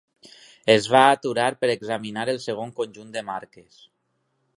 Es va aturar per examinar el segon conjunt de marques.